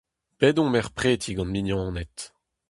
Bet omp er preti gant mignoned.